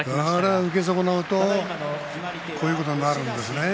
受け損なうとこういうことになるんですね。